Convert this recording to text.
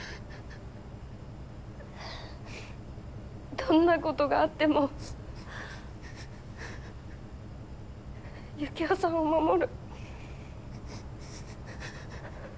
どんなことがあってもユキオさんを守る。